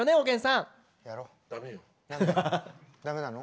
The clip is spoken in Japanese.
ダメなの？